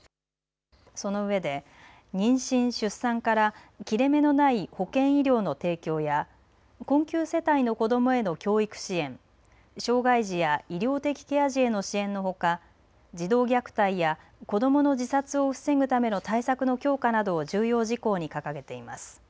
そのうえで妊娠・出産から切れ目のない保健・医療の提供や困窮世帯の子どもへの教育支援、障害児や医療的ケア児への支援のほか、児童虐待や子どもの自殺を防ぐための対策の強化などを重要事項に掲げています。